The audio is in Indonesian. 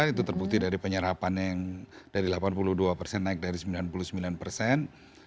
itu terbukti dari penyerapannya yang dari delapan puluh dua persen naik dari sembilan puluh sembilan persen